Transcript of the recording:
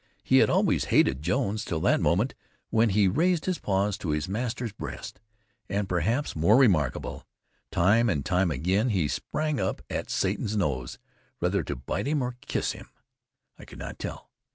He had always hated Jones till that moment, when he raised his paws to his master's breast. And perhaps more remarkable, time and time again he sprang up at Satan's nose, whether to bite him or kiss him, I could not tell.